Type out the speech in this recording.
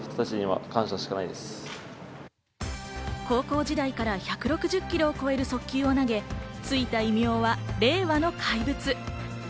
高校時代から１６０キロを超える速球を投げ、ついた異名は「令和の怪物」。